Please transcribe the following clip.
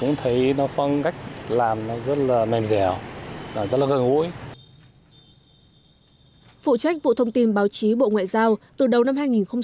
ngày trong năm bà lê thị thu hằng vụ trưởng vụ thông tin báo chí bộ ngoại giao việt nam